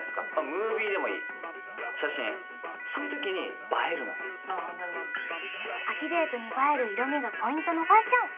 ムービーでもいい写真そういう時に映えるのよ秋デートに映える色味がポイントのファッション